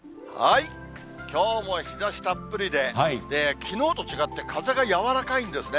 きょうも日ざしたっぷりで、きのうと違って風がやわらかいんですね。